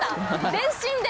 全身で？